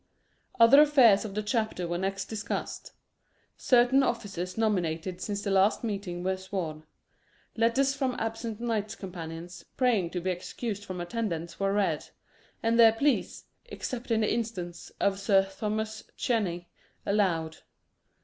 Other affairs of the chapter were next discussed. Certain officers nominated since the last meeting, were sworn; letters from absent knights companions, praying to be excused from attendance, were read and their pleas, except in the instance of Sir Thomas Cheney, allowed.